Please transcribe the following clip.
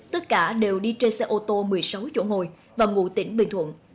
tất cả đều đi trên xe ô tô một mươi sáu chỗ ngồi và ngụ tỉnh bình thuận